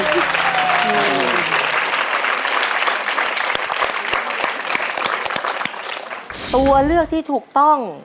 ตัวเลือกที่ถูกต้อง